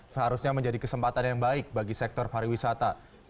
seharusnya menjadi kesempatan yang baik bagi sektor pariwisata